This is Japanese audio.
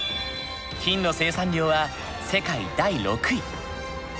金の生産量は世界第６位。